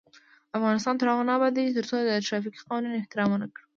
افغانستان تر هغو نه ابادیږي، ترڅو د ترافیکي قوانینو احترام ونکړو.